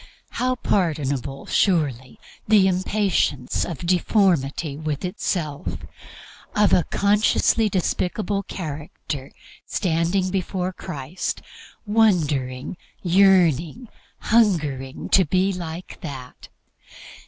How pardonable, surely, the impatience of deformity with itself, of a consciously despicable character standing before Christ, wondering, yearning, hungering to be like that!